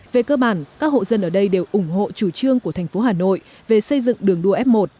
về cơ bản các hộ dân ở đây đều ủng hộ chủ trương của thành phố hà nội về xây dựng đường đua f một